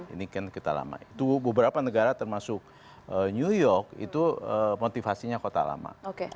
ini kan kita lama itu beberapa negara termasuk new york itu motivasinya kota lama